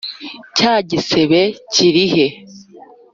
cya gisembe kirihe?